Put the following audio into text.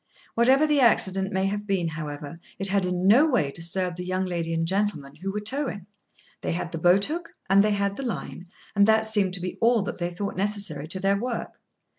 Whatever the accident may have been, however, it had in no way disturbed the young lady and gentleman, who were towing. They had the boat hook and they had the line, and that seemed to be all that they thought necessary to their work.